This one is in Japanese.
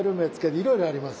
いろいろあります。